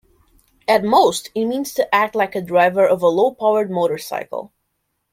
At most, it means to act like a driver of a low-powered motorcycle.